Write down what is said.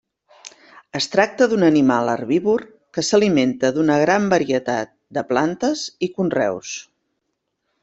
Es tracta d'un animal herbívor que s'alimenta d'una gran varietat de plantes i conreus.